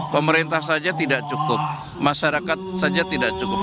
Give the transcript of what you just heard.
pemerintah saja tidak cukup masyarakat saja tidak cukup